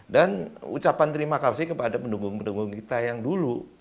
dan ucapan terima kasih kepada penduduk penduduk kita yang dulu